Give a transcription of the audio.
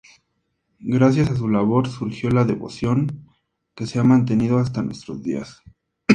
Gracias a su labor surgió la devoción que se ha mantenido hasta nuestros días.